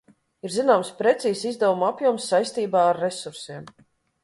Ir zināms precīzs izdevumu apjoms saistībā ar resursiem.